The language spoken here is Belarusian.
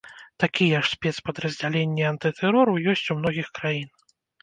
Такія ж спецпадраздзяленні антытэрору ёсць у многіх краін.